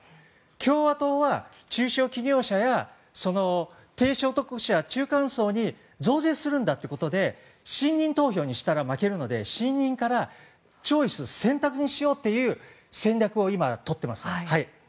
共和党は中小企業者や低所得者、中間層に増税するんだということで信任投票にしたら負けるので信任から選択にしようという戦略を今、取っています。